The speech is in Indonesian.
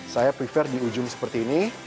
saya prefer di ujung seperti ini